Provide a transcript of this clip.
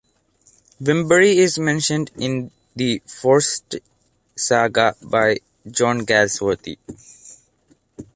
Wembury is mentioned in "The Forsyte Saga" by John Galsworthy.